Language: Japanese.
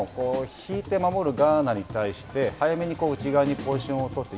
引いて守るガーナに対して早めに内側にポジションを取って。